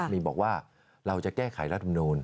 มีบอกว่าเราจะแก้ไขรัฐมนูล